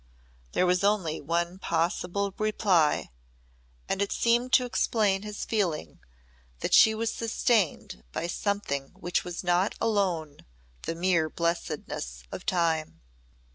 There was only one possible reply and it seemed to explain his feeling that she was sustained by something which was not alone the mere blessedness of time.